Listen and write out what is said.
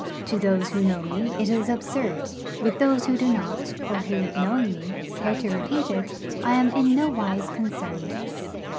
To those who know me, it is absurd; with those who do not, or who, knowing me, care to repeat it, I am in nowise concerned.